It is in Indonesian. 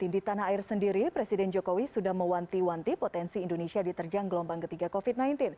di tanah air sendiri presiden jokowi sudah mewanti wanti potensi indonesia diterjang gelombang ketiga covid sembilan belas